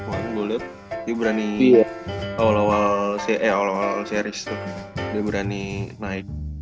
walaupun gue lihat dia berani awal awal series tuh dia berani naik